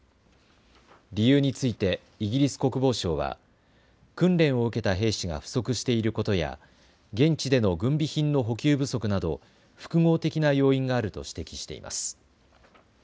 理由についてイギリス国防省は訓練を受けた兵士が不足していることや現地での軍備品の補給不足など複合的な要因があると指摘しています。